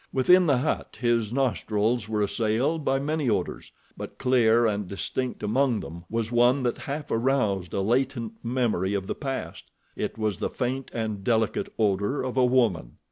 Within the hut his nostrils were assailed by many odors; but clear and distinct among them was one that half aroused a latent memory of the past—it was the faint and delicate odor of a woman.